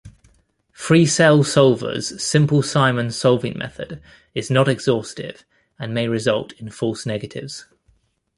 Freecell Solver's Simple Simon-solving method is not exhaustive and may result in false negatives.